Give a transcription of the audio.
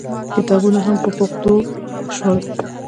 کتابونه هم په پښتو شول.